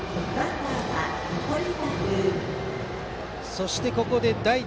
そしてここで代打。